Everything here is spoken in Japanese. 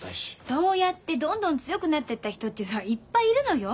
そうやってどんどん強くなってった人っていうのはいっぱいいるのよ。